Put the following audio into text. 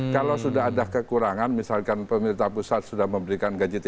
kalau sudah ada kekurangan misalkan pemerintah pusat sudah memberikan gaji th